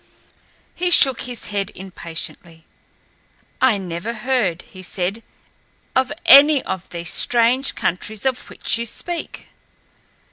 He shook his head impatiently. "I never heard," he said, "of any of these strange countries of which you speak."